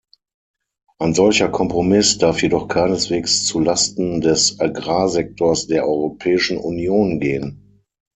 Ein solcher Kompromiss darf jedoch keineswegs zulasten des Agrarsektors der Europäischen Union gehen.